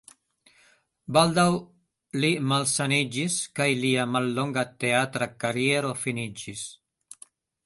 Baldaŭ li malsaniĝis kaj lia mallonga teatra kariero finiĝis.